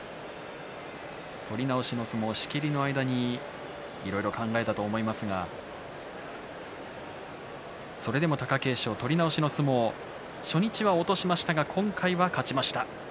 取り直しの相撲仕切りの間にいろいろ考えたと思いますがそれでも貴景勝、取り直しの相撲初日は落としましたが今回は勝ちました。